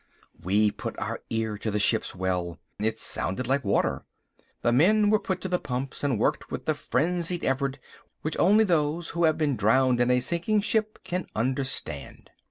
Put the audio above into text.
We put our ear to the ship's well. It sounded like water. The men were put to the pumps and worked with the frenzied effort which only those who have been drowned in a sinking ship can understand.